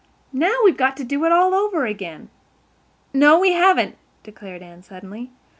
Now, we've got to do it all over again." "No, we haven't," declared Anne suddenly.